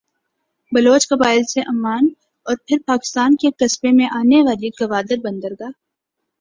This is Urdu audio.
بلوچ قبائل سے عمان اور پھر پاکستان کے قبضے میں آنے والی گوادربندرگاہ